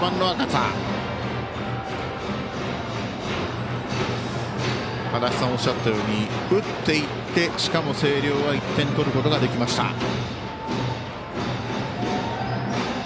足達さんがおっしゃったように打っていって星稜は１点取ることができました。